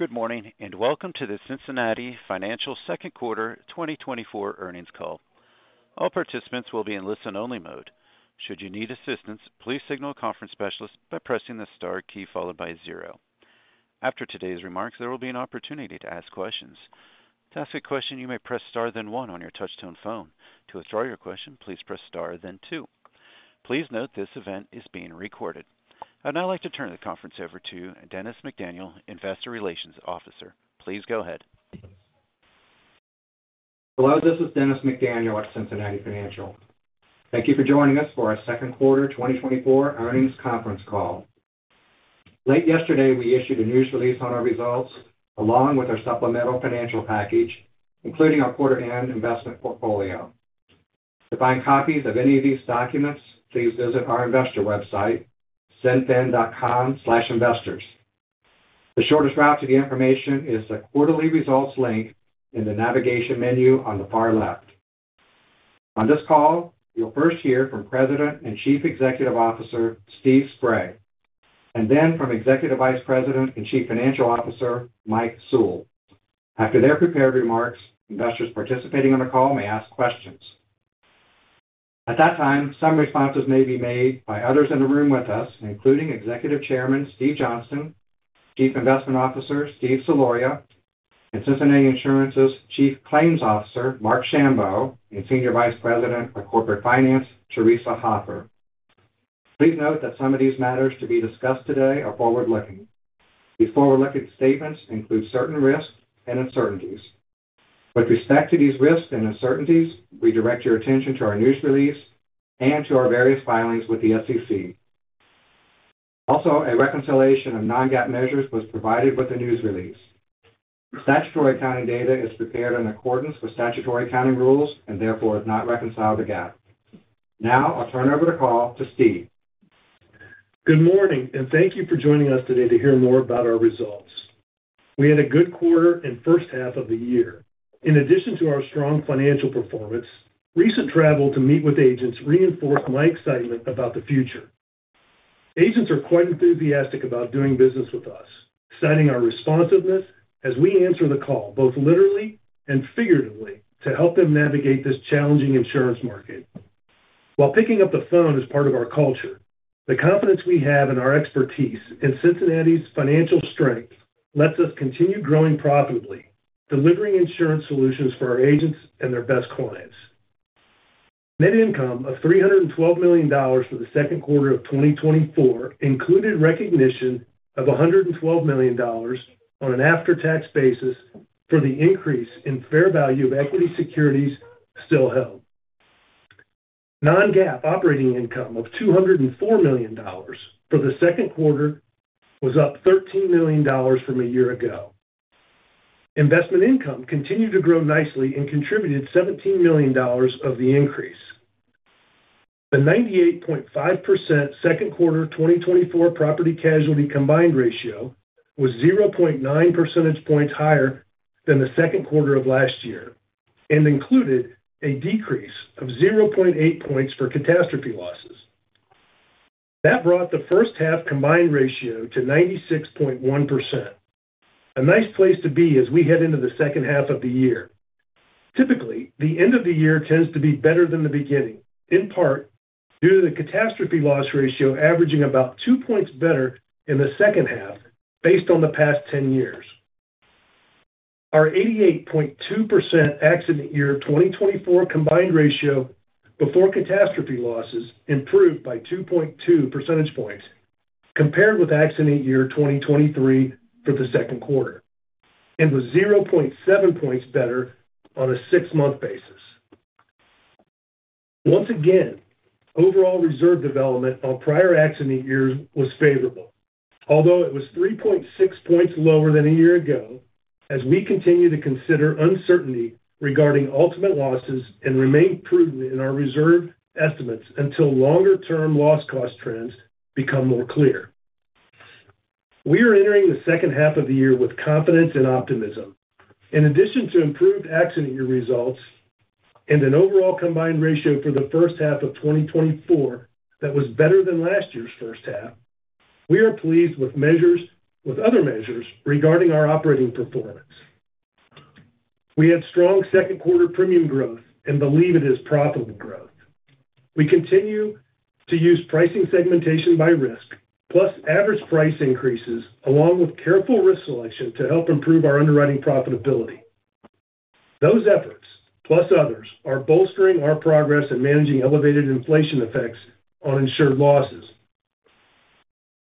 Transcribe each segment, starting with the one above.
Good morning and welcome to the Cincinnati Financial second quarter 2024 earnings call. All participants will be in listen-only mode. Should you need assistance, please signal a conference specialist by pressing the star key followed by zero. After today's remarks, there will be an opportunity to ask questions. To ask a question, you may press star then one on your touchtone phone. To withdraw your question, please press star then two. Please note this event is being recorded. I'd now like to turn the conference over to Dennis McDaniel, Investor Relations Officer. Please go ahead. Hello, this is Dennis McDaniel at Cincinnati Financial. Thank you for joining us for our second quarter 2024 earnings conference call. Late yesterday, we issued a news release on our results along with our supplemental financial package, including our quarter-end investment portfolio. To find copies of any of these documents, please visit our investor website, cinfin.com/investors. The shortest route to the information is the quarterly results link in the navigation menu on the far left. On this call, you'll first hear from President and Chief Executive Officer Steve Spray, and then from Executive Vice President and Chief Financial Officer Mike Sewell. After their prepared remarks, investors participating on the call may ask questions. At that time, some responses may be made by others in the room with us, including Executive Chairman Steve Johnston, Chief Investment Officer Steve Soloria, and Cincinnati Insurance's Chief Claims Officer Marc Schambow and Senior Vice President of Corporate Finance, Theresa Hoffer. Please note that some of these matters to be discussed today are forward-looking. These forward-looking statements include certain risks and uncertainties. With respect to these risks and uncertainties, we direct your attention to our news release and to our various filings with the SEC. Also, a reconciliation of non-GAAP measures was provided with the news release. Statutory accounting data is prepared in accordance with statutory accounting rules and therefore is not reconciled to GAAP. Now, I'll turn over the call to Steve. Good morning and thank you for joining us today to hear more about our results. We had a good quarter and first half of the year. In addition to our strong financial performance, recent travel to meet with agents reinforced my excitement about the future. Agents are quite enthusiastic about doing business with us, citing our responsiveness as we answer the call both literally and figuratively to help them navigate this challenging insurance market. While picking up the phone is part of our culture, the confidence we have in our expertise and Cincinnati's financial strength lets us continue growing profitably, delivering insurance solutions for our agents and their best clients. Net income of $312 million for the second quarter of 2024 included recognition of $112 million on an after-tax basis for the increase in fair value of equity securities still held. Non-GAAP operating income of $204 million for the second quarter was up $13 million from a year ago. Investment income continued to grow nicely and contributed $17 million of the increase. The 98.5% second quarter 2024 property casualty combined ratio was 0.9 percentage points higher than the second quarter of last year and included a decrease of 0.8 points for catastrophe losses. That brought the first half combined ratio to 96.1%. A nice place to be as we head into the second half of the year. Typically, the end of the year tends to be better than the beginning, in part due to the catastrophe loss ratio averaging about two points better in the second half based on the past 10 years. Our 88.2% accident year 2024 combined ratio before catastrophe losses improved by 2.2 percentage points compared with accident year 2023 for the second quarter and was 0.7 points better on a six-month basis. Once again, overall reserve development on prior accident years was favorable, although it was 3.6 points lower than a year ago as we continue to consider uncertainty regarding ultimate losses and remain prudent in our reserve estimates until longer-term loss cost trends become more clear. We are entering the second half of the year with confidence and optimism. In addition to improved accident year results and an overall combined ratio for the first half of 2024 that was better than last year's first half, we are pleased with other measures regarding our operating performance. We had strong second quarter premium growth and believe it is profitable growth. We continue to use pricing segmentation by risk, plus average price increases along with careful risk selection to help improve our underwriting profitability. Those efforts, plus others, are bolstering our progress in managing elevated inflation effects on insured losses.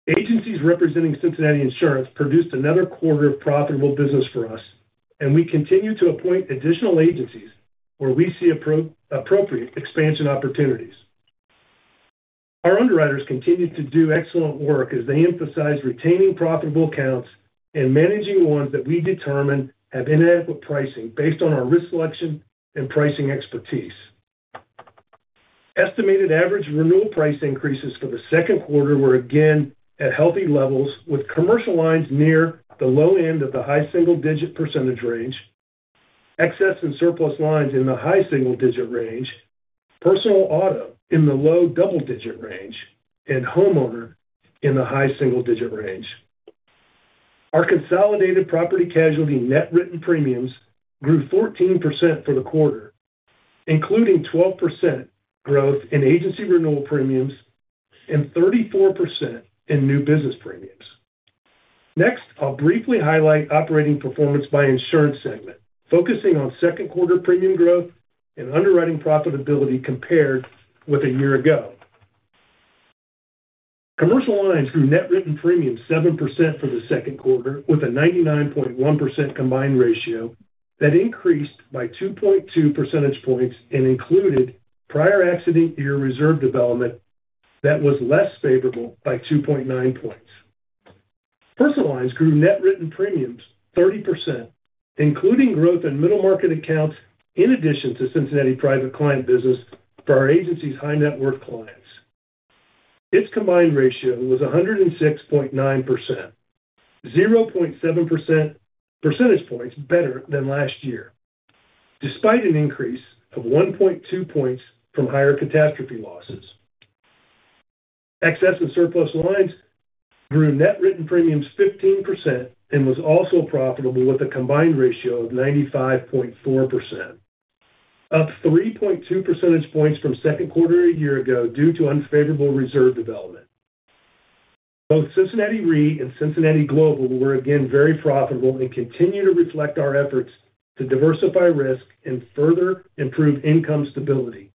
Agencies representing Cincinnati Insurance produced another quarter of profitable business for us, and we continue to appoint additional agencies where we see appropriate expansion opportunities. Our underwriters continue to do excellent work as they emphasize retaining profitable accounts and managing ones that we determine have inadequate pricing based on our risk selection and pricing expertise. Estimated average renewal price increases for the second quarter were again at healthy levels with commercial lines near the low end of the high single-digit % range, excess and surplus lines in the high single-digit % range, personal auto in the low double-digit % range, and homeowner in the high single-digit % range. Our consolidated property casualty net written premiums grew 14% for the quarter, including 12% growth in agency renewal premiums and 34% in new business premiums. Next, I'll briefly highlight operating performance by insurance segment, focusing on second quarter premium growth and underwriting profitability compared with a year ago. Commercial Lines grew net written premiums 7% for the second quarter with a 99.1% combined ratio that increased by 2.2 percentage points and included prior accident year reserve development that was less favorable by 2.9 points. Personal Lines grew net written premiums 30%, including growth in middle market accounts in addition to Cincinnati Private Client business for our agency's high-net-worth clients. Its combined ratio was 106.9%, 0.7 percentage points better than last year, despite an increase of 1.2 points from higher catastrophe losses. Excess and Surplus Lines grew net written premiums 15% and was also profitable with a Combined Ratio of 95.4%, up 3.2 percentage points from second quarter a year ago due to unfavorable reserve development. Both Cincinnati Re and Cincinnati Global were again very profitable and continue to reflect our efforts to diversify risk and further improve income stability.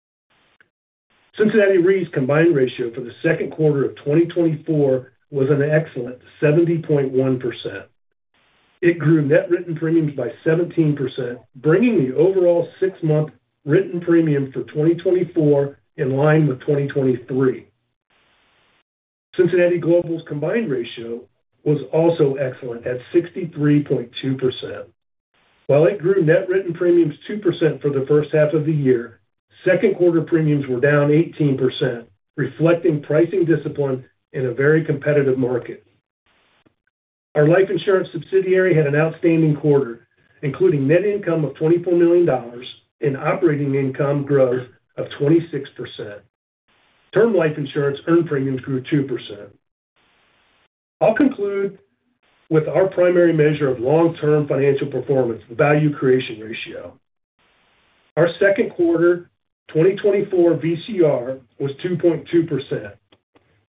Cincinnati Re's Combined Ratio for the second quarter of 2024 was an excellent 70.1%. It grew net written premiums by 17%, bringing the overall six-month written premium for 2024 in line with 2023. Cincinnati Global's Combined Ratio was also excellent at 63.2%. While it grew net written premiums 2% for the first half of the year, second quarter premiums were down 18%, reflecting pricing discipline in a very competitive market. Our life insurance subsidiary had an outstanding quarter, including net income of $24 million and operating income growth of 26%. Term Life Insurance earned premiums grew 2%. I'll conclude with our primary measure of long-term financial performance, the Value Creation Ratio. Our second quarter 2024 VCR was 2.2%.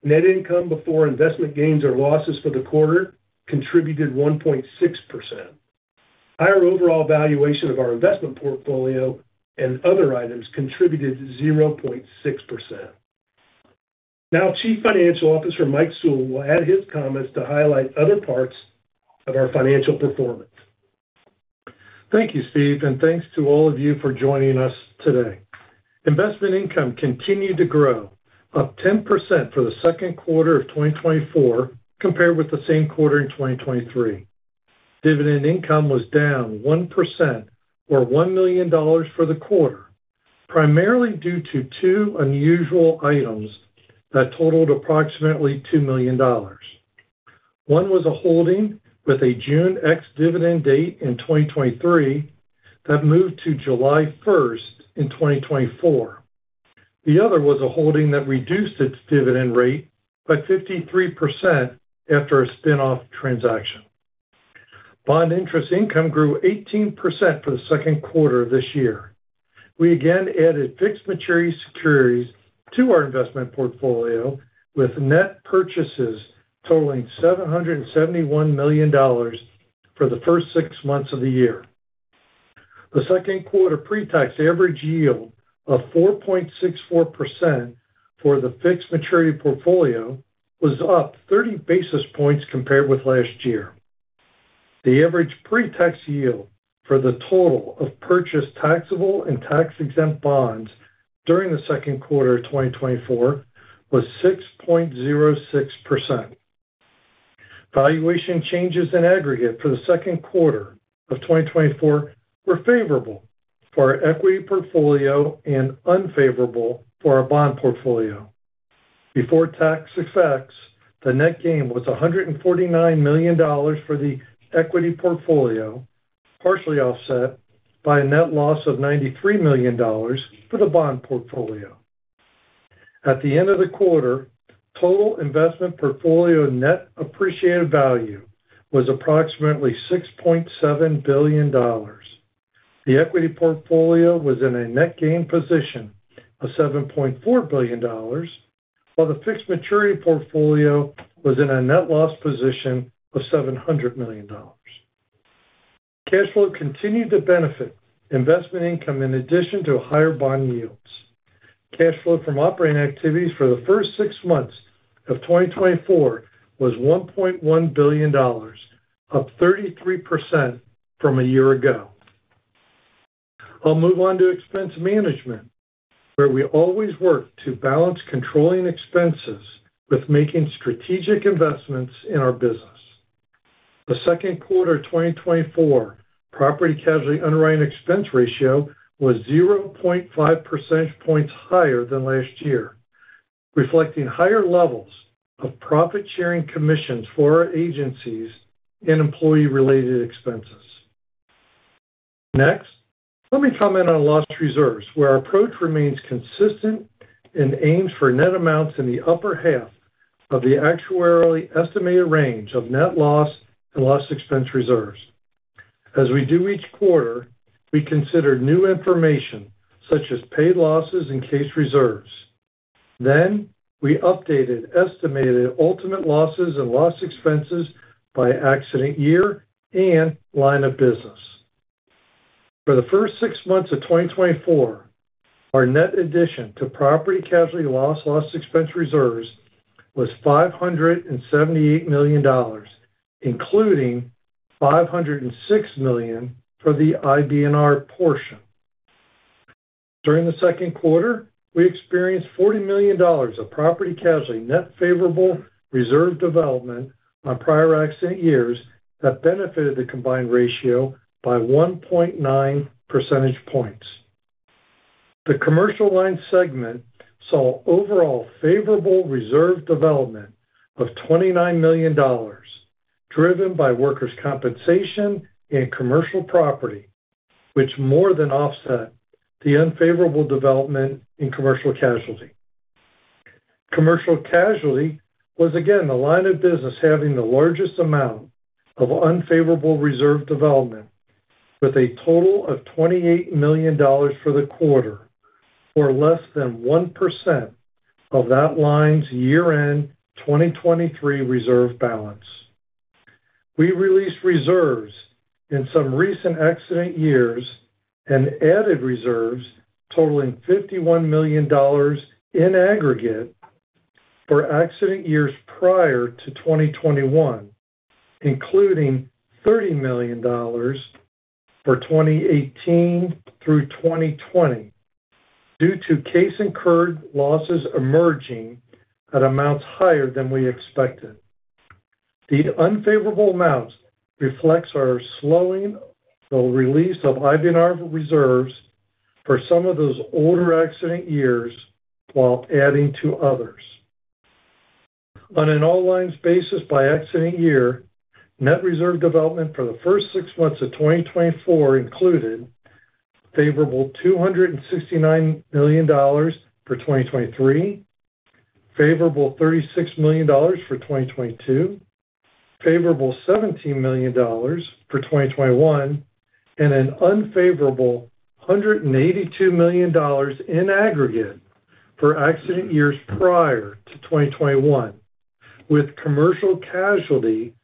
Net income before investment gains or losses for the quarter contributed 1.6%. Higher overall valuation of our investment portfolio and other items contributed 0.6%. Now, Chief Financial Officer Mike Sewell will add his comments to highlight other parts of our financial performance. Thank you, Steve, and thanks to all of you for joining us today. Investment income continued to grow, up 10% for the second quarter of 2024 compared with the same quarter in 2023. Dividend income was down 1%, or $1 million for the quarter, primarily due to two unusual items that totaled approximately $2 million. One was a holding with a June ex-dividend date in 2023 that moved to July 1st in 2024. The other was a holding that reduced its dividend rate by 53% after a spinoff transaction. Bond interest income grew 18% for the second quarter of this year. We again added fixed maturity securities to our investment portfolio with net purchases totaling $771 million for the first six months of the year. The second quarter pre-tax average yield of 4.64% for the fixed maturity portfolio was up 30 basis points compared with last year. The average pre-tax yield for the total of purchased taxable and tax-exempt bonds during the second quarter of 2024 was 6.06%. Valuation changes in aggregate for the second quarter of 2024 were favorable for our equity portfolio and unfavorable for our bond portfolio. Before tax effects, the net gain was $149 million for the equity portfolio, partially offset by a net loss of $93 million for the bond portfolio. At the end of the quarter, total investment portfolio net appreciated value was approximately $6.7 billion. The equity portfolio was in a net gain position of $7.4 billion, while the fixed maturity portfolio was in a net loss position of $700 million. Cash flow continued to benefit investment income in addition to higher bond yields. Cash flow from operating activities for the first six months of 2024 was $1.1 billion, up 33% from a year ago. I'll move on to expense management, where we always work to balance controlling expenses with making strategic investments in our business. The second quarter 2024 property casualty underwriting expense ratio was 0.5 percentage points higher than last year, reflecting higher levels of profit-sharing commissions for our agencies and employee-related expenses. Next, let me comment on loss reserves, where our approach remains consistent and aims for net amounts in the upper half of the actuarially estimated range of net loss and loss expense reserves. As we do each quarter, we consider new information such as paid losses and case reserves. Then, we updated estimated ultimate losses and loss expenses by accident year and line of business. For the first six months of 2024, our net addition to property casualty loss loss expense reserves was $578 million, including $506 million for the IBNR portion. During the second quarter, we experienced $40 million of property casualty net favorable reserve development on prior accident years that benefited the combined ratio by 1.9 percentage points. The commercial line segment saw overall favorable reserve development of $29 million, driven by workers' compensation and commercial property, which more than offset the unfavorable development in commercial casualty. Commercial casualty was again the line of business having the largest amount of unfavorable reserve development, with a total of $28 million for the quarter, or less than 1% of that line's year-end 2023 reserve balance. We released reserves in some recent accident years and added reserves totaling $51 million in aggregate for accident years prior to 2021, including $30 million for 2018 through 2020 due to case-incurred losses emerging at amounts higher than we expected. The unfavorable amounts reflect our slowing release of IBNR reserves for some of those older accident years while adding to others. On an all-lines basis by accident year, net reserve development for the first six months of 2024 included favorable $269 million for 2023, favorable $36 million for 2022, favorable $17 million for 2021, and an unfavorable $182 million in aggregate for accident years prior to 2021, with Commercial Casualty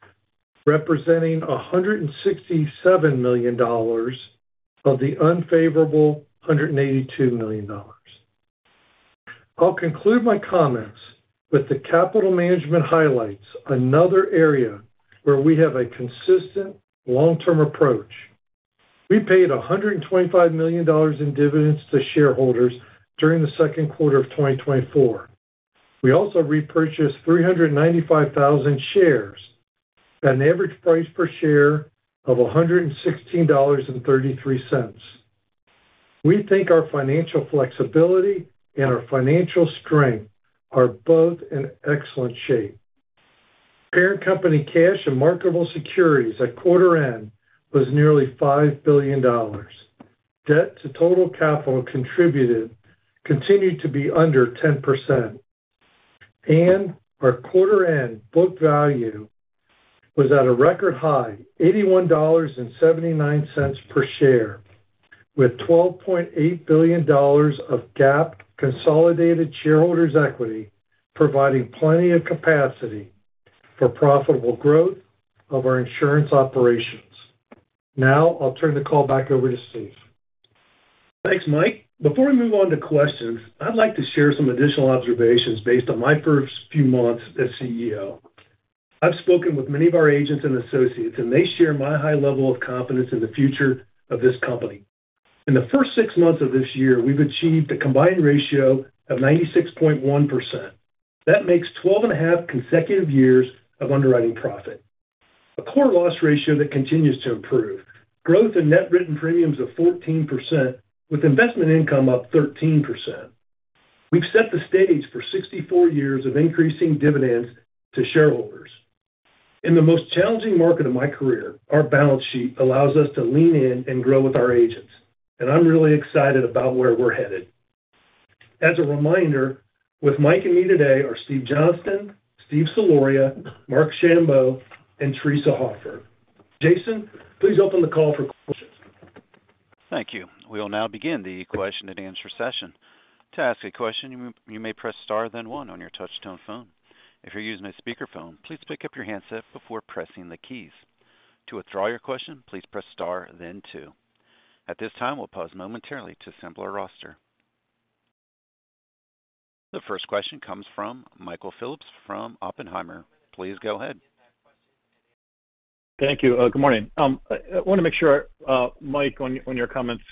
representing $167 million of the unfavorable $182 million. I'll conclude my comments with the capital management highlights, another area where we have a consistent long-term approach. We paid $125 million in dividends to shareholders during the second quarter of 2024. We also repurchased 395,000 shares at an average price per share of $116.33. We think our financial flexibility and our financial strength are both in excellent shape. Parent company cash and marketable securities at quarter-end was nearly $5 billion. Debt to total capital contributed continued to be under 10%. Our quarter-end book value was at a record high, $81.79 per share, with $12.8 billion of GAAP consolidated shareholders' equity providing plenty of capacity for profitable growth of our insurance operations. Now, I'll turn the call back over to Steve. Thanks, Mike. Before we move on to questions, I'd like to share some additional observations based on my first few months as CEO. I've spoken with many of our agents and associates, and they share my high level of confidence in the future of this company. In the first six months of this year, we've achieved a combined ratio of 96.1%. That makes 12.5 consecutive years of underwriting profit, a core loss ratio that continues to improve, growth in net written premiums of 14%, with investment income up 13%. We've set the stage for 64 years of increasing dividends to shareholders. In the most challenging market of my career, our balance sheet allows us to lean in and grow with our agents, and I'm really excited about where we're headed. As a reminder, with Mike and me today are Steve Johnston, Steve Spray, Mark Shambo, and Teresa Hoffer. Jason, please open the call for questions. Thank you. We will now begin the question and answer session. To ask a question, you may press star, then one on your touch-tone phone. If you're using a speakerphone, please pick up your handset before pressing the keys. To withdraw your question, please press star, then two. At this time, we'll pause momentarily to assemble our roster. The first question comes from Michael Phillips from Oppenheimer. Please go ahead. Thank you. Good morning. I want to make sure, Mike, on your comments,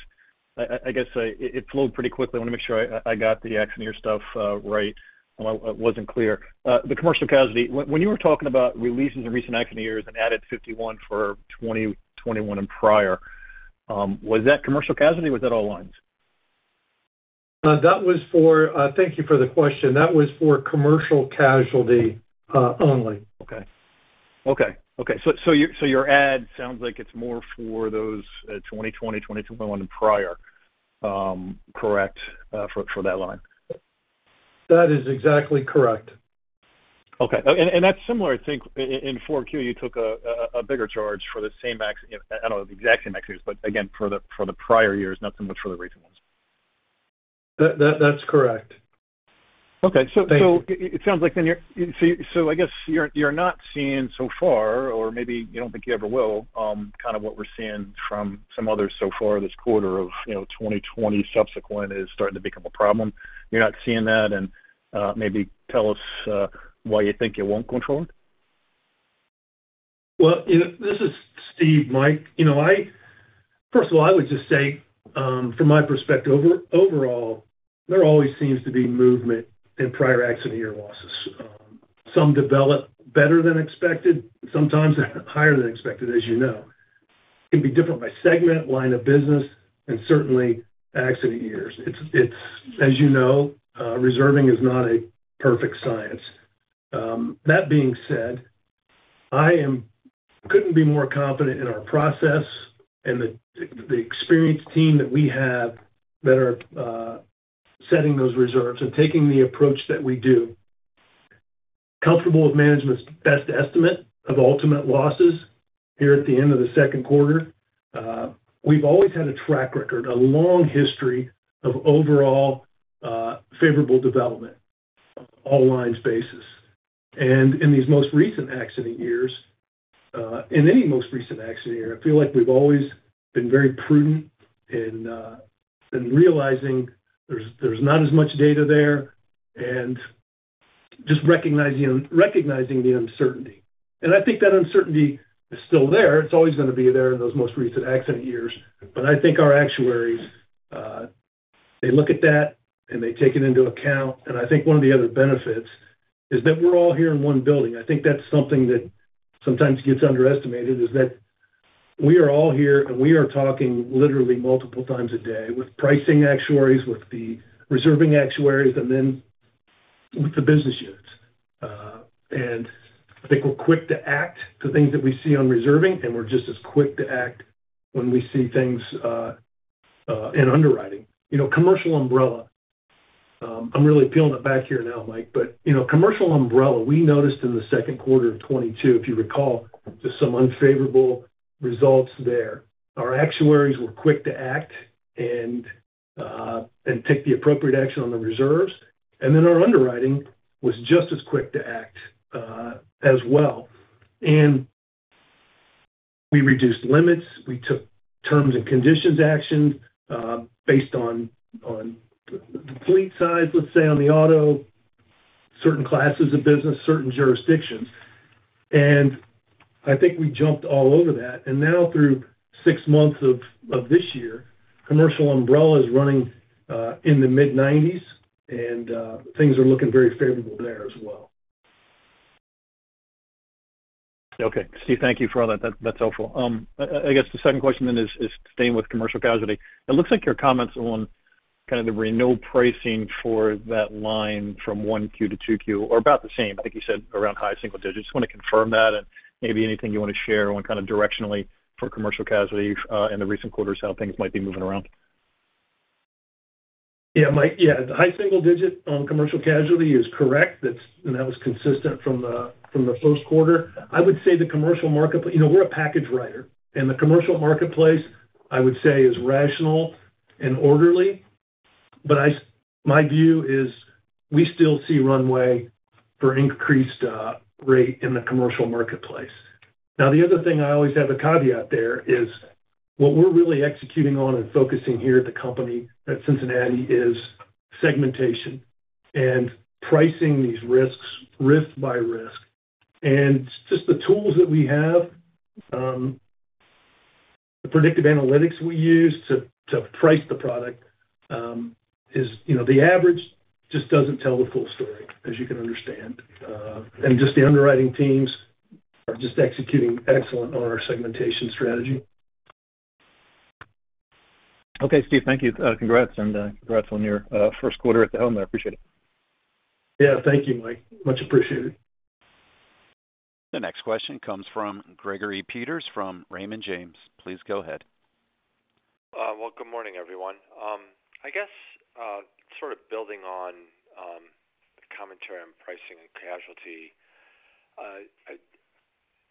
I guess it flowed pretty quickly. I want to make sure I got the accident year stuff right. It wasn't clear. The Commercial Casualty, when you were talking about releases in recent accident years and added $51 for 2021 and prior, was that Commercial Casualty or was that all lines? That was for, thank you for the question. That was for Commercial Casualty only. Okay. So your ad sounds like it's more for those 2020, 2021, and prior, correct, for that line? That is exactly correct. Okay. And that's similar, I think, in 4Q, you took a bigger charge for the same, I don't know the exact same accident years, but again, for the prior years, not so much for the recent ones. That's correct. Okay. So it sounds like then you're, so I guess you're not seeing so far, or maybe you don't think you ever will, kind of what we're seeing from some others so far this quarter of 2020 subsequent is starting to become a problem. You're not seeing that, and maybe tell us why you think it won't go forward. Well, this is Steve, Mike. First of all, I would just say, from my perspective, overall, there always seems to be movement in prior accident year losses. Some develop better than expected, sometimes higher than expected, as you know. It can be different by segment, line of business, and certainly accident years. As you know, reserving is not a perfect science. That being said, I couldn't be more confident in our process and the experienced team that we have that are setting those reserves and taking the approach that we do. Comfortable with management's best estimate of ultimate losses here at the end of the second quarter. We've always had a track record, a long history of overall favorable development on all lines basis. And in these most recent accident years, in any most recent accident year, I feel like we've always been very prudent in realizing there's not as much data there and just recognizing the uncertainty. And I think that uncertainty is still there. It's always going to be there in those most recent accident years. But I think our actuaries, they look at that and they take it into account. And I think one of the other benefits is that we're all here in one building. I think that's something that sometimes gets underestimated, is that we are all here and we are talking literally multiple times a day with pricing actuaries, with the reserving actuaries, and then with the business units. And I think we're quick to act to things that we see on reserving, and we're just as quick to act when we see things in underwriting. Commercial Umbrella, I'm really feeling it back here now, Mike, but Commercial Umbrella, we noticed in the second quarter of 2022, if you recall, just some unfavorable results there. Our actuaries were quick to act and take the appropriate action on the reserves. Then our underwriting was just as quick to act as well. We reduced limits. We took terms and conditions action based on the fleet size, let's say, on the auto, certain classes of business, certain jurisdictions. I think we jumped all over that. Now, through six months of this year, Commercial Umbrella is running in the mid-90s, and things are looking very favorable there as well. Okay. Steve, thank you for all that. That's helpful. I guess the second question then is staying with Commercial Casualty. It looks like your comments on kind of the renewal pricing for that line from Q1-Q2are about the same, I think you said, around high single digits. Just want to confirm that and maybe anything you want to share on kind of directionally for Commercial Casualty in the recent quarters, how things might be moving around. Yeah, Mike. Yeah. The high single digit on commercial casualty is correct. That was consistent from the first quarter. I would say the commercial marketplace, we're a package writer. The commercial marketplace, I would say, is rational and orderly. But my view is we still see runway for increased rate in the commercial marketplace. Now, the other thing I always have a caveat there is what we're really executing on and focusing here at the company at Cincinnati is segmentation and pricing these risks risk by risk. Just the tools that we have, the predictive analytics we use to price the product, the average just doesn't tell the full story, as you can understand. Just the underwriting teams are just executing excellent on our segmentation strategy. Okay, Steve, thank you. Congrats on your first quarter at the helm. I appreciate it. Yeah, thank you, Mike. Much appreciated. The next question comes from Gregory Peters from Raymond James. Please go ahead. Well, good morning, everyone. I guess sort of building on the commentary on pricing and casualty, I'm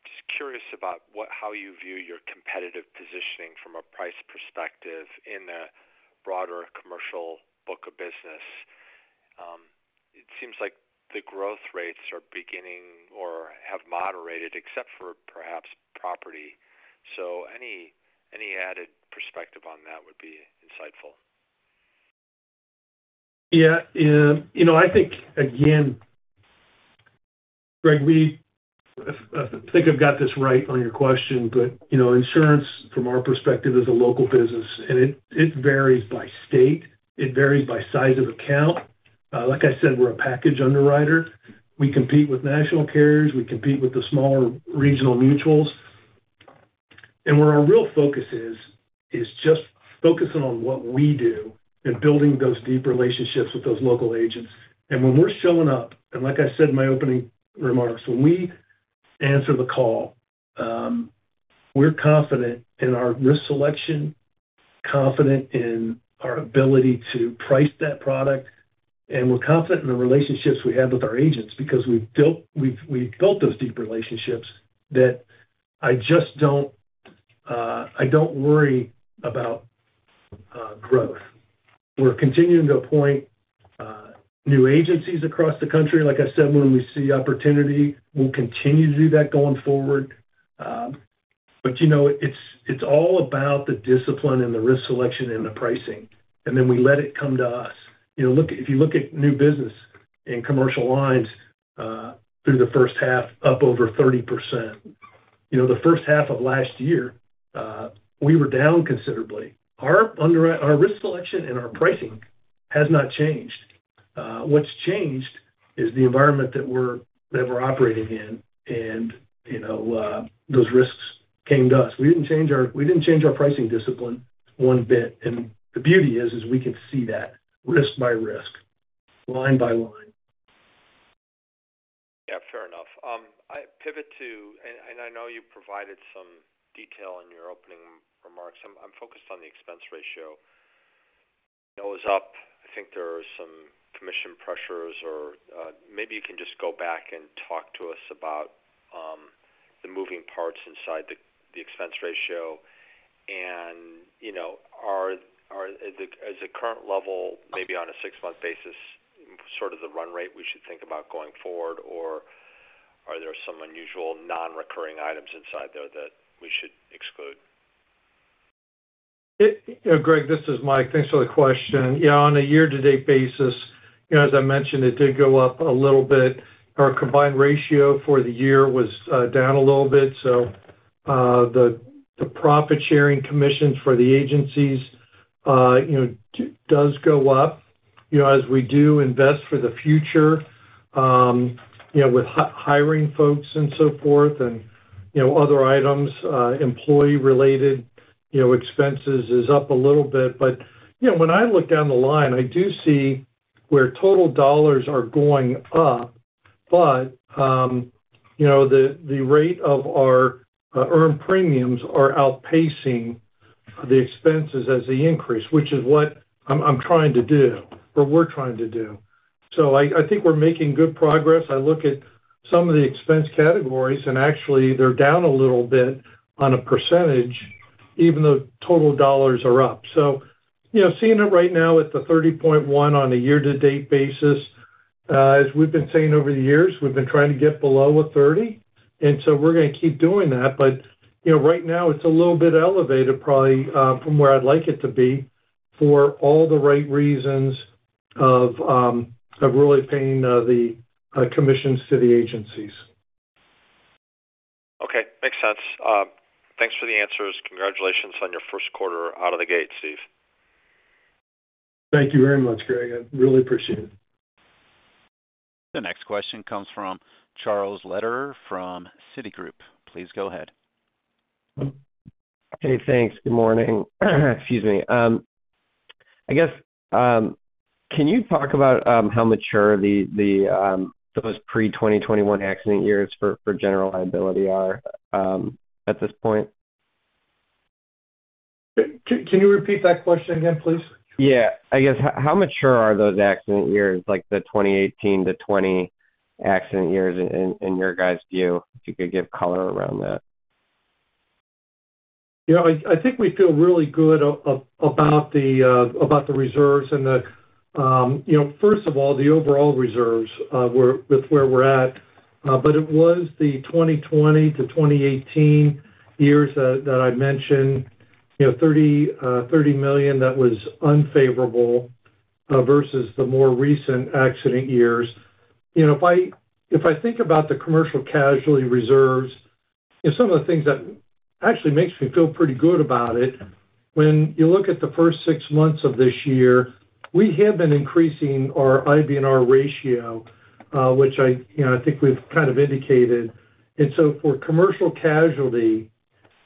just curious about how you view your competitive positioning from a price perspective in a broader commercial book of business. It seems like the growth rates are beginning or have moderated, except for perhaps property. So any added perspective on that would be insightful. Yeah. I think, again, Greg, I think I've got this right on your question, but insurance, from our perspective, is a local business, and it varies by state. It varies by size of account. Like I said, we're a package underwriter. We compete with national carriers. We compete with the smaller regional mutuals. And where our real focus is, is just focusing on what we do and building those deep relationships with those local agents. And when we're showing up, and like I said in my opening remarks, when we answer the call, we're confident in our risk selection, confident in our ability to price that product, and we're confident in the relationships we have with our agents because we've built those deep relationships that I don't worry about growth. We're continuing to appoint new agencies across the country. Like I said, when we see opportunity, we'll continue to do that going forward. But it's all about the discipline and the risk selection and the pricing. And then we let it come to us. If you look at new business in commercial lines through the first half, up over 30%. The first half of last year, we were down considerably. Our risk selection and our pricing has not changed. What's changed is the environment that we're operating in, and those risks came to us. We didn't change our pricing discipline one bit. And the beauty is we can see that risk by risk, line by line. Yeah, fair enough. I pivot to, and I know you provided some detail in your opening remarks. I'm focused on the expense ratio. It was up. I think there are some commission pressures, or maybe you can just go back and talk to us about the moving parts inside the expense ratio. Is the current level, maybe on a six-month basis, sort of the run rate we should think about going forward, or are there some unusual non-recurring items inside there that we should exclude? Greg, this is Mike. Thanks for the question. Yeah, on a year-to-date basis, as I mentioned, it did go up a little bit. Our combined ratio for the year was down a little bit. So the profit-sharing commissions for the agencies does go up as we do invest for the future with hiring folks and so forth and other items. Employee-related expenses is up a little bit. But when I look down the line, I do see where total dollars are going up, but the rate of our earned premiums are outpacing the expenses as they increase, which is what I'm trying to do, or we're trying to do. So I think we're making good progress. I look at some of the expense categories, and actually, they're down a little bit on a percentage, even though total dollars are up. So seeing it right now at the 30.1 on a year-to-date basis, as we've been saying over the years, we've been trying to get below a 30. And so we're going to keep doing that. But right now, it's a little bit elevated, probably, from where I'd like it to be for all the right reasons of really paying the commissions to the agencies. Okay. Makes sense. Thanks for the answers. Congratulations on your first quarter out of the gate, Steve. Thank you very much, Greg. I really appreciate it. The next question comes from Charles Lederer from Citigroup. Please go ahead. Hey, thanks. Good morning. Excuse me. I guess, can you talk about how mature those pre-2021 accident years for general liability are at this point? Can you repeat that question again, please? Yeah. I guess, how mature are those accident years, like the 2018-2020 accident years, in your guys' view, if you could give color around that? Yeah. I think we feel really good about the reserves. First of all, the overall reserves with where we're at. But it was the 2020-2018 years that I mentioned, $30 million that was unfavorable versus the more recent accident years. If I think about the commercial casualty reserves, some of the things that actually make me feel pretty good about it. When you look at the first six months of this year, we have been increasing our IBNR ratio, which I think we've kind of indicated. So for commercial casualty,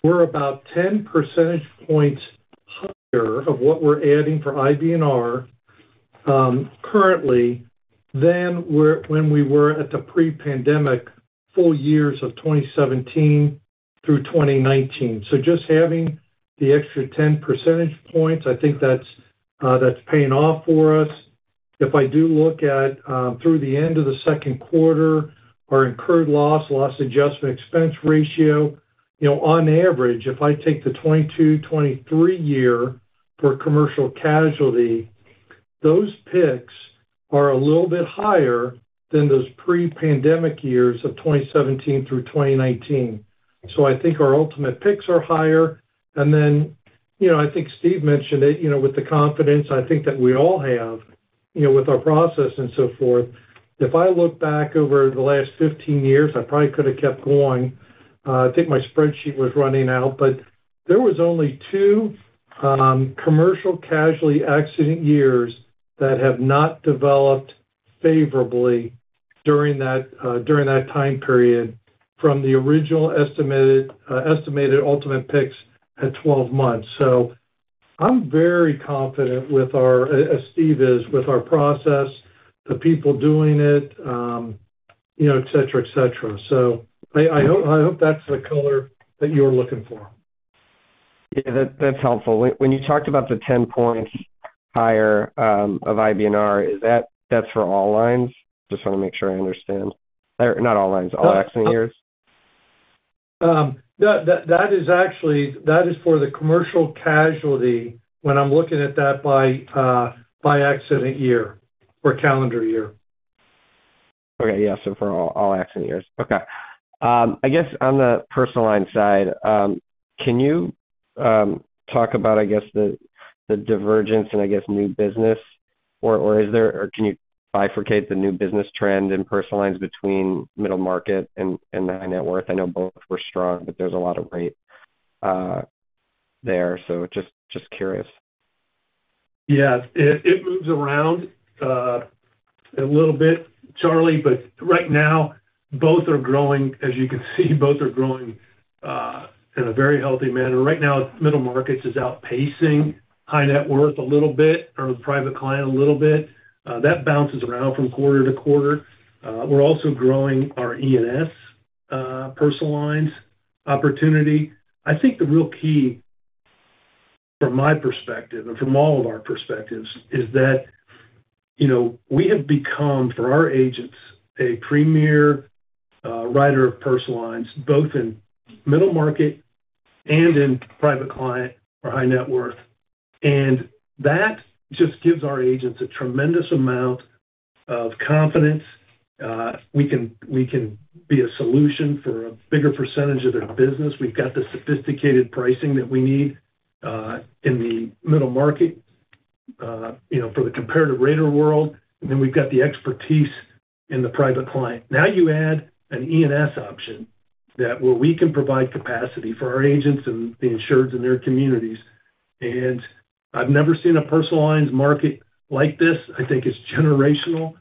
we're about 10 percentage points higher of what we're adding for IBNR currently than when we were at the pre-pandemic full years of 2017 through 2019. Just having the extra 10 percentage points, I think that's paying off for us. If I do look at through the end of the second quarter, our incurred loss, loss adjustment expense ratio, on average, if I take the 2022, 2023 year for commercial casualty, those picks are a little bit higher than those pre-pandemic years of 2017 through 2019. So I think our ultimate picks are higher. And then I think Steve mentioned it with the confidence I think that we all have with our process and so forth. If I look back over the last 15 years, I probably could have kept going. I think my spreadsheet was running out, but there were only two commercial casualty accident years that have not developed favorably during that time period from the original estimated ultimate picks at 12 months. So I'm very confident with our process, the people doing it, etc., etc. So I hope that's the color that you're looking for. Yeah, that's helpful. When you talked about the 10 points higher of IBNR, is that for all lines? Just want to make sure I understand. Not all lines. All accident years? That is actually for the Commercial Casualty when I'm looking at that by Accident Year or calendar year. Okay. Yeah. So for all accident years. Okay. I guess on the personal line side, can you talk about, I guess, the divergence and, I guess, new business, or can you bifurcate the new business trend in personal lines between middle market and high net worth? I know both were strong, but there's a lot of rate there. So just curious. Yeah. It moves around a little bit, Charlie, but right now, both are growing. As you can see, both are growing in a very healthy manner. Right now, middle markets is outpacing high net worth a little bit or the private client a little bit. That bounces around from quarter to quarter. We're also growing our E&S personal lines opportunity. I think the real key, from my perspective and from all of our perspectives, is that we have become, for our agents, a premier writer of personal lines, both in middle market and in private client or high net worth. And that just gives our agents a tremendous amount of confidence. We can be a solution for a bigger percentage of their business. We've got the sophisticated pricing that we need in the middle market for the comparative rater world. And then we've got the expertise in the private client. Now you add an E&S option where we can provide capacity for our agents and the insureds in their communities. And I've never seen a personal lines market like this. I think it's generational.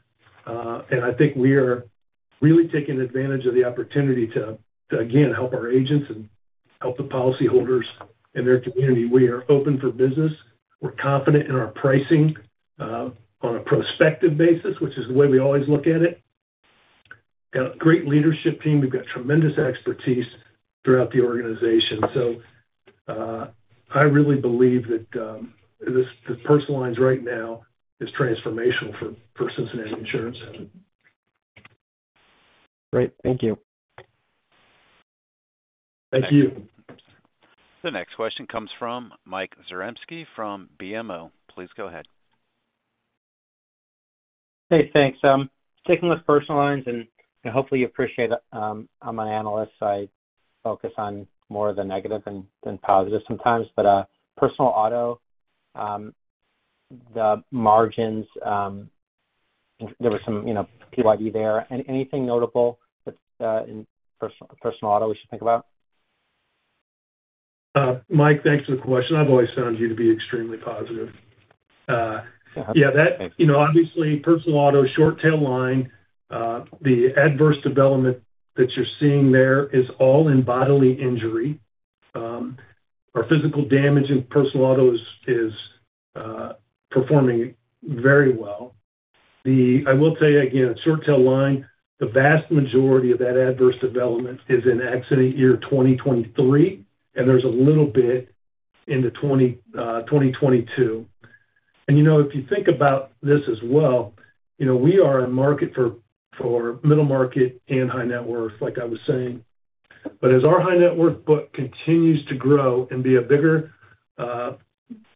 And I think we are really taking advantage of the opportunity to, again, help our agents and help the policyholders in their community. We are open for business. We're confident in our pricing on a prospective basis, which is the way we always look at it. We've got a great leadership team. We've got tremendous expertise throughout the organization. So I really believe that the personal lines right now is transformational for Cincinnati Insurance. Great. Thank you. Thank you. The next question comes from Mike Zaremski from BMO. Please go ahead. Hey, thanks. Taking the Personal Lines, and hopefully, you appreciate it. I'm an analyst. I focus on more of the negative than positive sometimes. But Personal Auto, the margins, there was some PYD there. Anything notable in Personal Auto we should think about? Mike, thanks for the question. I've always found you to be extremely positive. Yeah. Obviously, personal auto short tail line, the adverse development that you're seeing there is all in bodily injury. Our physical damage in personal auto is performing very well. I will tell you again, short tail line, the vast majority of that adverse development is in accident year 2023, and there's a little bit in the 2022. And if you think about this as well, we are a market for middle market and high net worth, like I was saying. But as our high net worth book continues to grow and be a bigger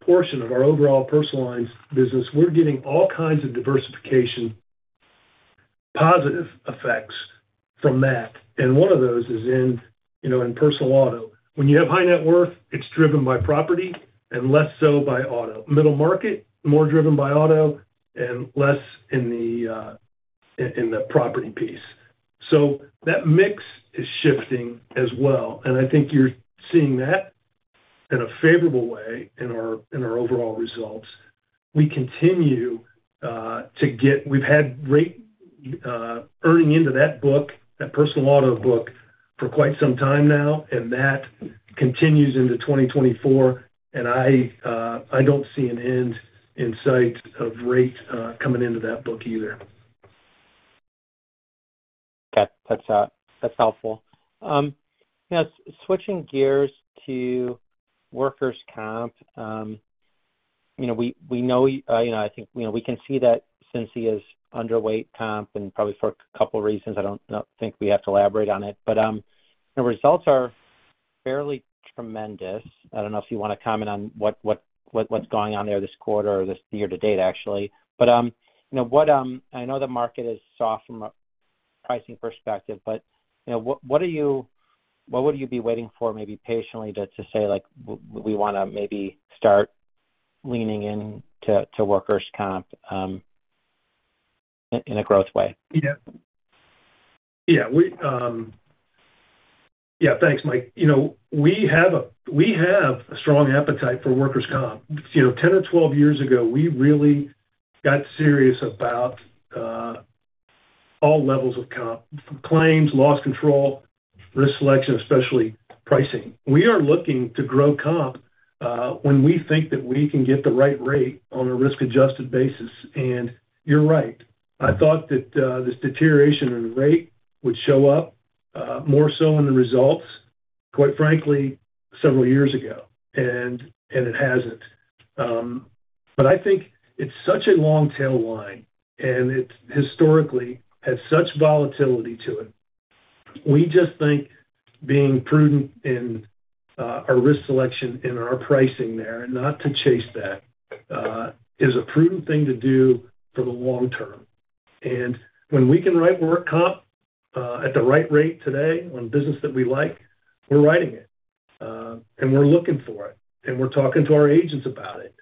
portion of our overall personal lines business, we're getting all kinds of diversification positive effects from that. And one of those is in personal auto. When you have high net worth, it's driven by property and less so by auto. Middle market, more driven by auto and less in the property piece. So that mix is shifting as well. I think you're seeing that in a favorable way in our overall results. We continue to get—we've had rate earning into that book, that Personal Auto book, for quite some time now, and that continues into 2024. I don't see an end in sight of rate coming into that book either. Okay. That's helpful. Now, switching gears to workers' comp, we know, I think we can see that since he is underweight comp and probably for a couple of reasons. I don't think we have to elaborate on it. But the results are fairly tremendous. I don't know if you want to comment on what's going on there this quarter or this year-to-date, actually. But I know the market is soft from a pricing perspective, but what would you be waiting for, maybe patiently, to say, "We want to maybe start leaning into workers' comp in a growth way"? Yeah. Yeah. Yeah. Thanks, Mike. We have a strong appetite for workers' comp. 10 or 12 years ago, we really got serious about all levels of comp: claims, loss control, risk selection, especially pricing. We are looking to grow comp when we think that we can get the right rate on a risk-adjusted basis. And you're right. I thought that this deterioration in rate would show up more so in the results, quite frankly, several years ago, and it hasn't. But I think it's such a long tail line, and it historically had such volatility to it. We just think being prudent in our risk selection and our pricing there and not to chase that is a prudent thing to do for the long term. When we can write work comp at the right rate today on business that we like, we're writing it, and we're looking for it, and we're talking to our agents about it.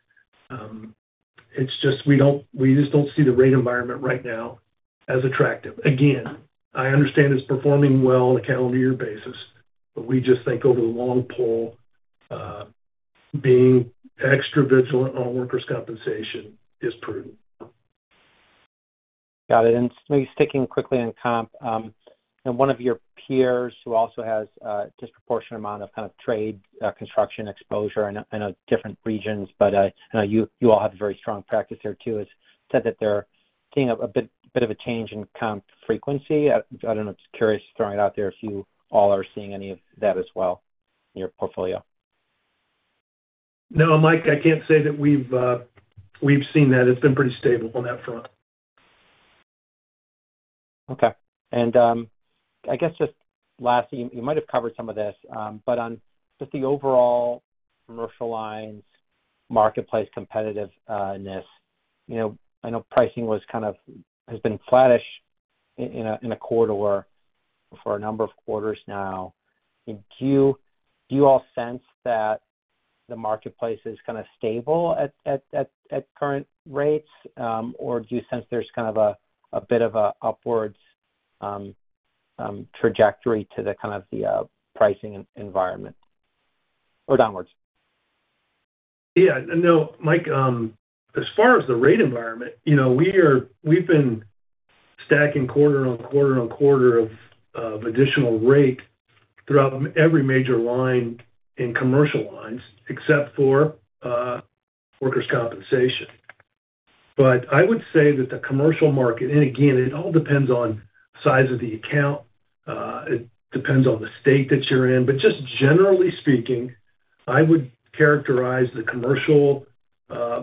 It's just we just don't see the rate environment right now as attractive. Again, I understand it's performing well on a calendar year basis, but we just think over the long haul, being extra vigilant on workers' compensation is prudent. Got it. And maybe sticking quickly on comp, one of your peers who also has a disproportionate amount of kind of trade construction exposure in different regions, but I know you all have a very strong practice there too, has said that they're seeing a bit of a change in comp frequency. I don't know. Just curious, throwing it out there, if you all are seeing any of that as well in your portfolio? No, Mike, I can't say that we've seen that. It's been pretty stable on that front. Okay. And I guess just lastly, you might have covered some of this, but on just the overall commercial lines, marketplace competitiveness, I know pricing has been flattish in a quarter or for a number of quarters now. Do you all sense that the marketplace is kind of stable at current rates, or do you sense there's kind of a bit of an upwards trajectory to kind of the pricing environment or downwards? Yeah. No, Mike, as far as the rate environment, we've been stacking quarter on quarter on quarter of additional rate throughout every major line in commercial lines, except for workers' compensation. But I would say that the commercial market, and again, it all depends on the size of the account. It depends on the state that you're in. But just generally speaking, I would characterize the commercial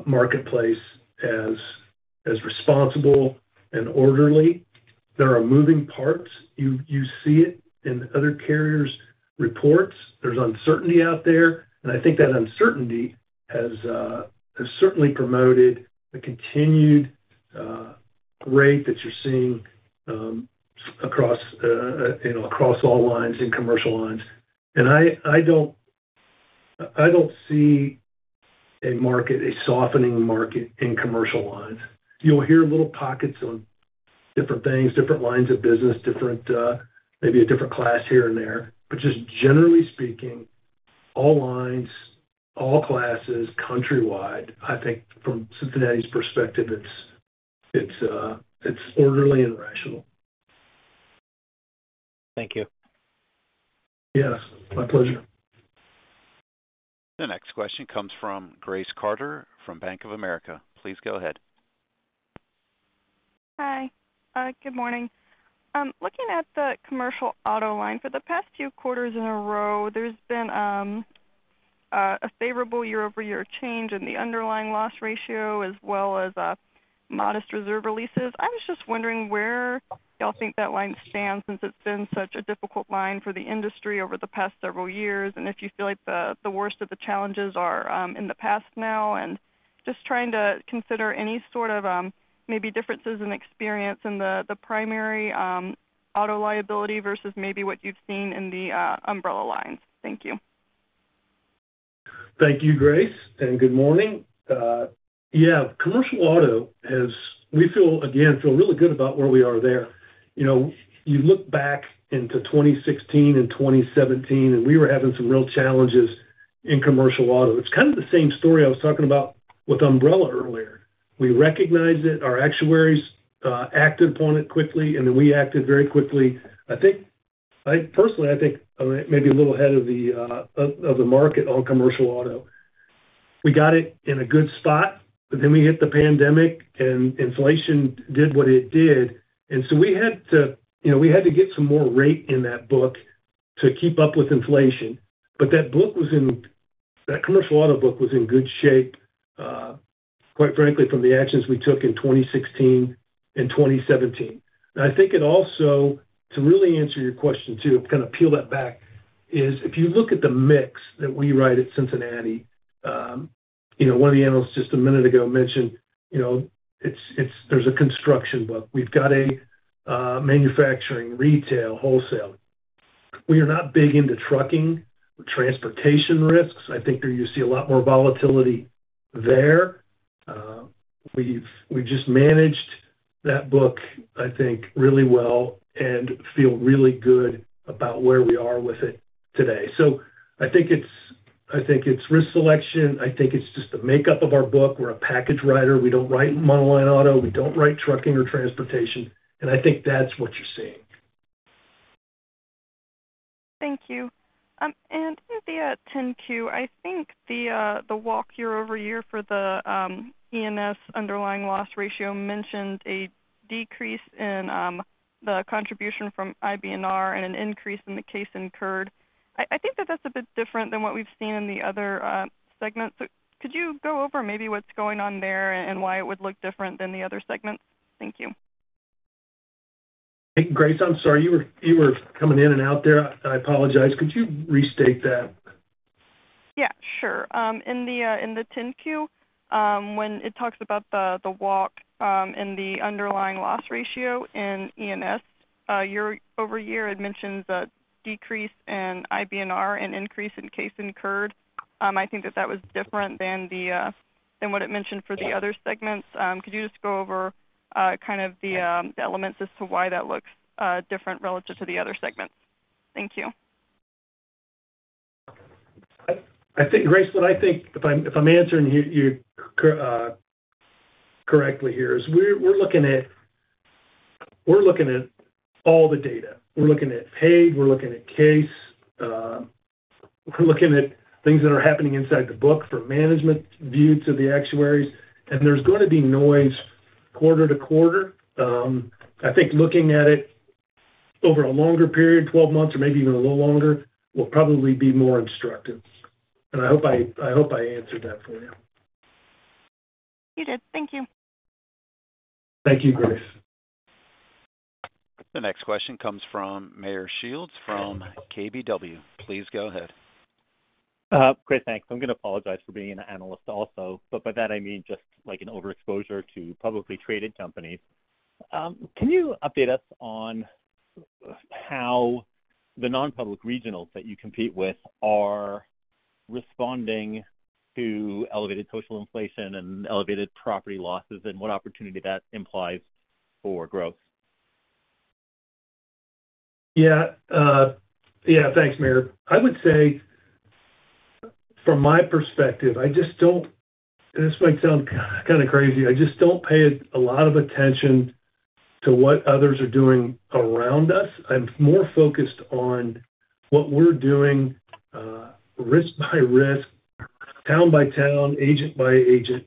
marketplace as responsible and orderly. There are moving parts. You see it in other carriers' reports. There's uncertainty out there. And I think that uncertainty has certainly promoted the continued rate that you're seeing across all lines in commercial lines. And I don't see a market, a softening market in commercial lines. You'll hear little pockets on different things, different lines of business, maybe a different class here and there. Just generally speaking, all lines, all classes countrywide, I think from Cincinnati's perspective, it's orderly and rational. Thank you. Yes. My pleasure. The next question comes from Grace Carter from Bank of America. Please go ahead. Hi. Good morning. Looking at the commercial auto line, for the past few quarters in a row, there's been a favorable year-over-year change in the underlying loss ratio as well as modest reserve releases. I was just wondering where y'all think that line stands since it's been such a difficult line for the industry over the past several years, and if you feel like the worst of the challenges are in the past now, and just trying to consider any sort of maybe differences in experience in the primary auto liability versus maybe what you've seen in the umbrella lines. Thank you. Thank you, Grace. Good morning. Yeah. Commercial Auto, we feel, again, feel really good about where we are there. You look back into 2016 and 2017, and we were having some real challenges in Commercial Auto. It's kind of the same story I was talking about with umbrella earlier. We recognized it. Our actuaries acted upon it quickly, and then we acted very quickly. I think, personally, I think maybe a little ahead of the market on Commercial Auto. We got it in a good spot, but then we hit the pandemic, and inflation did what it did. And so we had to—we had to get some more rate in that book to keep up with inflation. But that book was in—that Commercial Auto book was in good shape, quite frankly, from the actions we took in 2016 and 2017. And I think it also, to really answer your question too, kind of peel that back, is if you look at the mix that we write at Cincinnati, one of the analysts just a minute ago mentioned there's a construction book. We've got a manufacturing, retail, wholesale. We are not big into trucking or transportation risks. I think you see a lot more volatility there. We've just managed that book, I think, really well and feel really good about where we are with it today. So I think it's risk selection. I think it's just the makeup of our book. We're a package writer. We don't write monoline auto. We don't write trucking or transportation. And I think that's what you're seeing. Thank you. And via 10-Q, I think the walk year-over-year for the E&S underlying loss ratio mentioned a decrease in the contribution from IBNR and an increase in the case incurred. I think that that's a bit different than what we've seen in the other segments. Could you go over maybe what's going on there and why it would look different than the other segments? Thank you. Grace, I'm sorry. You were coming in and out there. I apologize. Could you restate that? Yeah. Sure. In the 10-Q, when it talks about the walk in the underlying loss ratio in E&S year-over-year, it mentions a decrease in IBNR and increase in case incurred. I think that that was different than what it mentioned for the other segments. Could you just go over kind of the elements as to why that looks different relative to the other segments? Thank you. Grace, what I think, if I'm answering you correctly here, is we're looking at all the data. We're looking at paid. We're looking at case. We're looking at things that are happening inside the book from management view to the actuaries. And there's going to be noise quarter to quarter. I think looking at it over a longer period, 12 months or maybe even a little longer, will probably be more instructive. And I hope I answered that for you. You did. Thank you. Thank you, Grace. The next question comes from Meyer Shields from KBW. Please go ahead. Grace, thanks. I'm going to apologize for being an analyst also. But by that, I mean just like an overexposure to publicly traded companies. Can you update us on how the nonpublic regionals that you compete with are responding to elevated social inflation and elevated property losses and what opportunity that implies for growth? Yeah. Yeah. Thanks, Meyer. I would say, from my perspective, I just don't, and this might sound kind of crazy, I just don't pay a lot of attention to what others are doing around us. I'm more focused on what we're doing risk by risk, town by town, agent by agent,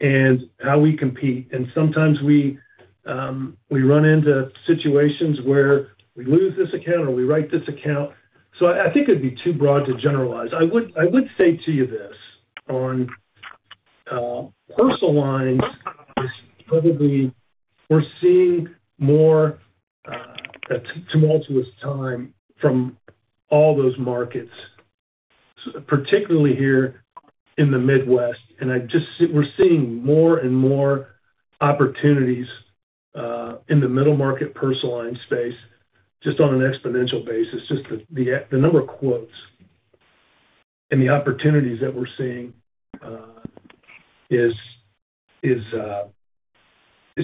and how we compete. And sometimes we run into situations where we lose this account or we write this account. So I think it'd be too broad to generalize. I would say to you this: on personal lines, we're seeing more tumultuous time from all those markets, particularly here in the Midwest. And we're seeing more and more opportunities in the middle market personal line space just on an exponential basis. Just the number of quotes and the opportunities that we're seeing is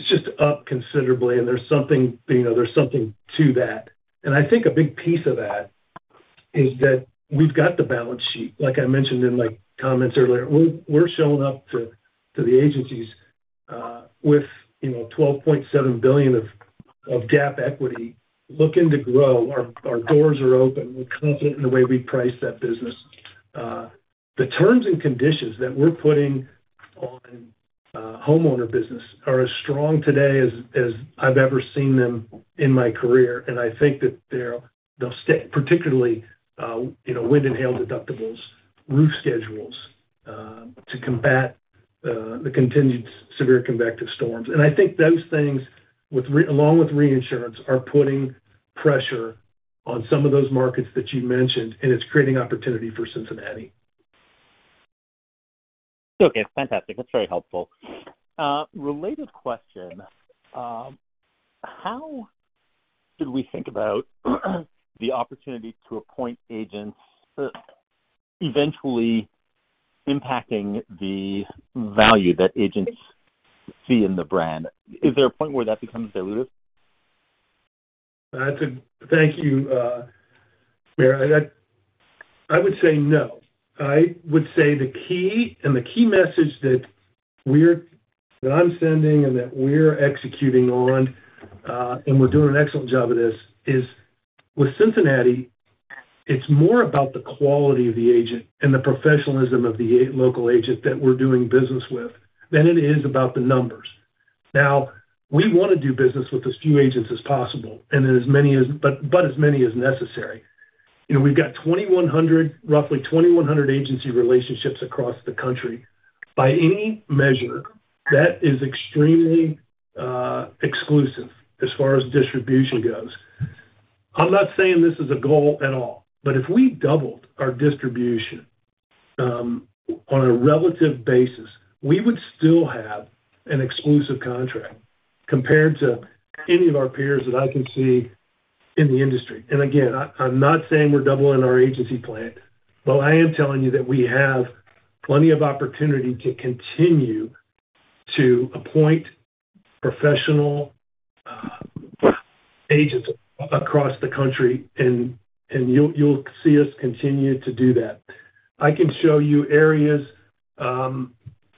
just up considerably. And there's something to that. I think a big piece of that is that we've got the balance sheet. Like I mentioned in my comments earlier, we're showing up to the agencies with $12.7 billion of GAAP equity looking to grow. Our doors are open. We're confident in the way we price that business. The terms and conditions that we're putting on homeowner business are as strong today as I've ever seen them in my career. I think that they'll stick, particularly wind and hail deductibles, roof schedules to combat the continued severe convective storms. I think those things, along with reinsurance, are putting pressure on some of those markets that you mentioned, and it's creating opportunity for Cincinnati. Okay. Fantastic. That's very helpful. Related question: how should we think about the opportunity to appoint agents eventually impacting the value that agents see in the brand? Is there a point where that becomes dilutive? Thank you, Meyer. I would say no. I would say the key and the key message that I'm sending and that we're executing on, and we're doing an excellent job of this, is with Cincinnati, it's more about the quality of the agent and the professionalism of the local agent that we're doing business with than it is about the numbers. Now, we want to do business with as few agents as possible and but as many as necessary. We've got roughly 2,100 agency relationships across the country. By any measure, that is extremely exclusive as far as distribution goes. I'm not saying this is a goal at all. But if we doubled our distribution on a relative basis, we would still have an exclusive contract compared to any of our peers that I can see in the industry. And again, I'm not saying we're doubling our agency plan. But I am telling you that we have plenty of opportunity to continue to appoint professional agents across the country, and you'll see us continue to do that. I can show you areas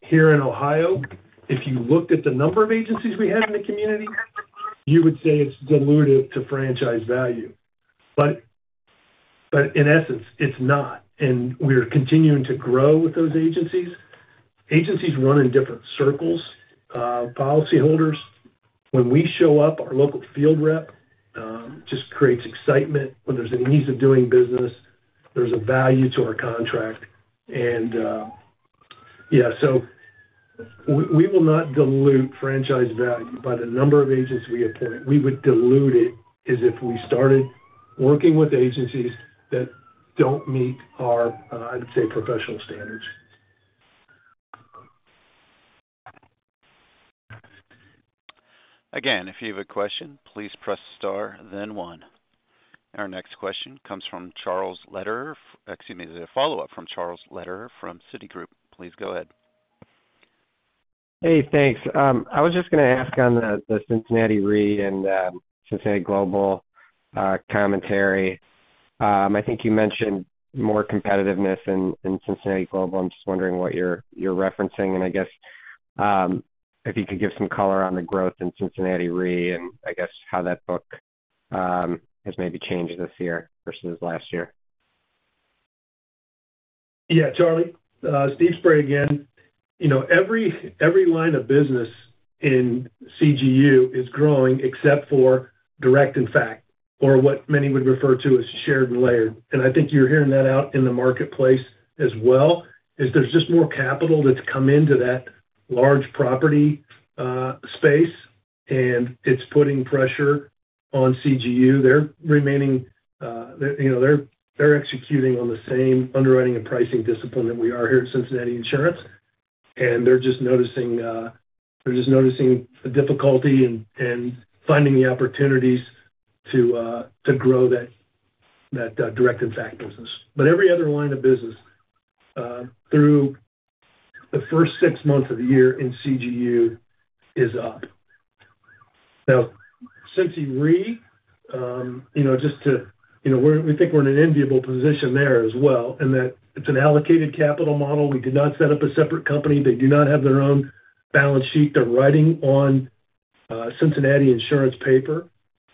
here in Ohio. If you looked at the number of agencies we had in the community, you would say it's dilutive to franchise value. But in essence, it's not. And we're continuing to grow with those agencies. Agencies run in different circles. Policyholders, when we show up, our local field rep just creates excitement when there's an ease of doing business. There's a value to our contract. And yeah. So we will not dilute franchise value by the number of agents we appoint. We would dilute it as if we started working with agencies that don't meet our, I'd say, professional standards. Again, if you have a question, please press star, then one. Our next question comes from Charles Lederer - excuse me, a follow-up from Charles Lederer from Citigroup. Please go ahead. Hey, thanks. I was just going to ask on the Cincinnati Re and Cincinnati Global commentary. I think you mentioned more competitiveness in Cincinnati Global. I'm just wondering what you're referencing. I guess if you could give some color on the growth in Cincinnati Re and I guess how that book has maybe changed this year versus last year. Yeah. Charlie, Steve Spray again. Every line of business in CGU is growing except for direct and fac, or what many would refer to as shared and layered. And I think you're hearing that out in the marketplace as well, is there's just more capital that's come into that large property space, and it's putting pressure on CGU. They're executing on the same underwriting and pricing discipline that we are here at Cincinnati Insurance. And they're just noticing the difficulty in finding the opportunities to grow that direct and fac business. But every other line of business through the first six months of the year in CGU is up. Now, Cincinnati Re just to—we think we're in an enviable position there as well in that it's an allocated capital model. We did not set up a separate company. They do not have their own balance sheet. They're writing on Cincinnati Insurance paper.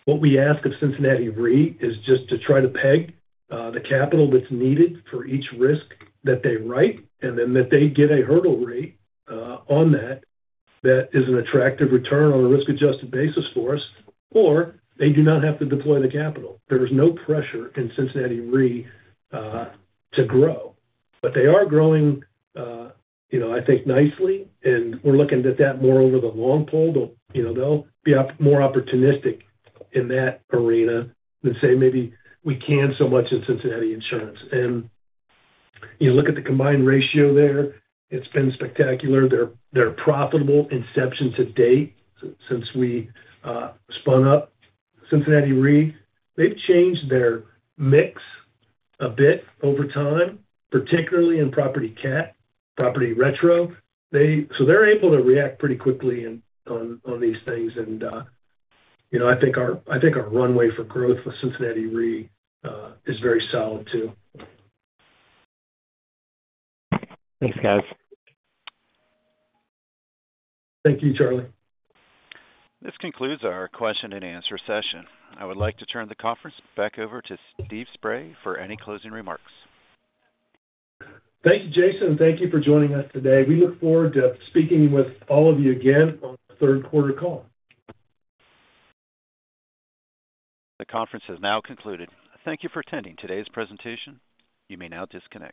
What we ask of Cincinnati Re is just to try to peg the capital that's needed for each risk that they write, and then that they get a hurdle rate on that that is an attractive return on a risk-adjusted basis for us, or they do not have to deploy the capital. There is no pressure in Cincinnati Re to grow. But they are growing, I think, nicely. And we're looking at that more over the long haul. They'll be more opportunistic in that arena than, say, maybe we can so much in Cincinnati Insurance. And look at the combined ratio there. It's been spectacular. They're profitable inception to date since we spun up Cincinnati Re. They've changed their mix a bit over time, particularly in Property Cat, Property Retro. So they're able to react pretty quickly on these things. I think our runway for growth with Cincinnati Re is very solid too. Thanks, guys. Thank you, Charlie. This concludes our question and answer session. I would like to turn the conference back over to Steve Spray for any closing remarks. Thank you, Jason. Thank you for joining us today. We look forward to speaking with all of you again on the third quarter call. The conference has now concluded. Thank you for attending today's presentation. You may now disconnect.